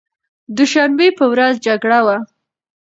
دوشنبې په ورځ جګړه وه.